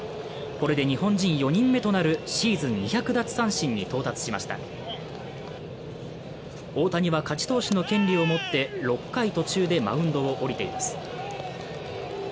これで日本人４人目となるシーズン２００奪三振に到達しました大谷は勝ち投手の権利を持って６回途中でマウンドを降りています